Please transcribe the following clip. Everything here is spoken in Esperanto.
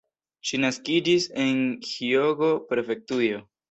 Ŝi naskiĝis en Hjogo-prefektujo.